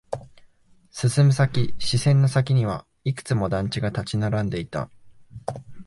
進む先、視線の先にはいくつも団地が立ち並んでいた。